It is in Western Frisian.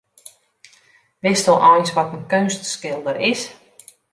Witsto eins wat in keunstskilder is?